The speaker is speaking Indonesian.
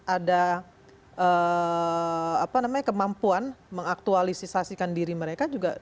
ada kemampuan mengaktualisasikan diri mereka juga